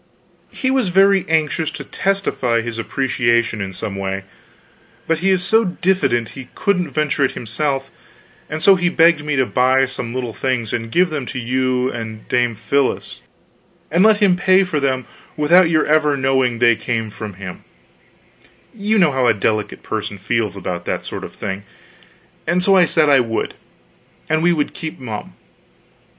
He was very anxious to testify his appreciation in some way, but he is so diffident he couldn't venture it himself, and so he begged me to buy some little things and give them to you and Dame Phyllis and let him pay for them without your ever knowing they came from him you know how a delicate person feels about that sort of thing and so I said I would, and we would keep mum.